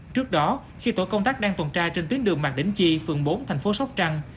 trước đó khi tổ công tác đang tuần tra trên tuyến đường mạc đỉnh chi phường bốn thành phố sóc trăng